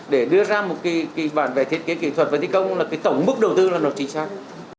để đưa ra một bản về thiết kế kỹ thuật và thi công là tổng mức đầu tư là nó chính xác